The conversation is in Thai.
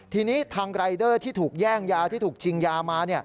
ทีนี้ทางรายเดอร์ที่ถูกแย่งยาที่ถูกชิงยามา